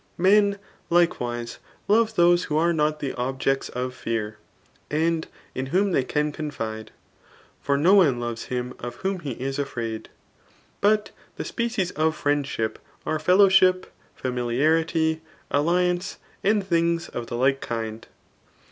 Mm, Iflceirise^love Aa&e v9ho are not the objects of iiean and in ^fafom tjiey can confide ; for no one loves him of wh6m he 18 afraid* But the species of frienddnp are ftilo\r«hip, fiiniHiaiity, alliance, and dungs of the like kind.